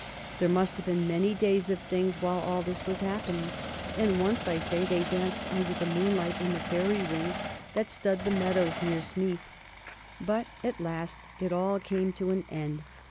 There must have been many days of things while all this was happening and once, I say, they danced under the moonlight in the fairy rings that stud the meadows near Smeeth but at last it all came to an end.